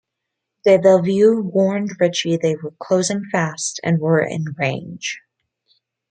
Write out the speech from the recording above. DeBellevue warned Ritchie they were closing fast and were in range.